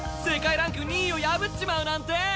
世界ランク２位を破っちまうなんて。